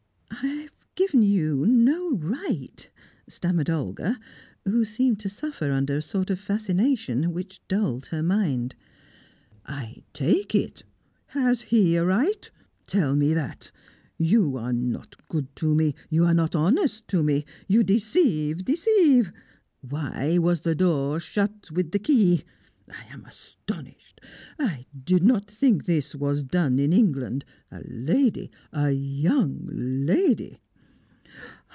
"I have given you no right," stammered Olga, who seemed to suffer under a sort of fascination, which dulled her mind. "I take it! Has he a right? Tell me that! You are not good to me; you are not honest to me; you deceive deceive! Why was the door shut with the key? I am astonished! I did not think this was done in England a lady a young lady!"